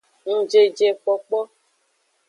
Ngjejekpokpo.